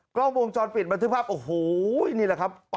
กล้องวงจรปิดบันทึกภาพโอ้โหนี่แหละครับ